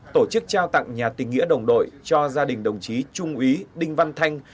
tổ chức trao tặng nhà tình nghĩa đồng đội cho gia đình đồng chí trung ý đinh văn thanh